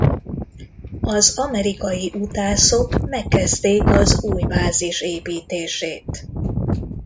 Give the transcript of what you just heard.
Az amerikai utászok megkezdték az új bázis építését.